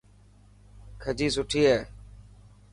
کجي سٺي هي.